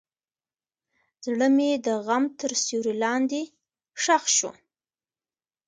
زړه مې د غم تر سیوري لاندې ښخ شو.